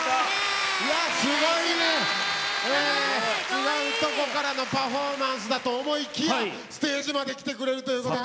違うとこからのパフォーマンスだと思いきやステージまで来てくれるということで。